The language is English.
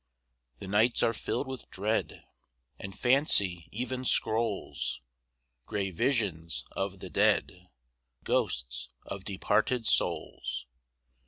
The nights are filled with dread, And fancy even scrolls Gray visions of the dead Ghosts of departed souls.